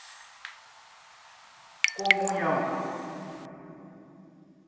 comunhão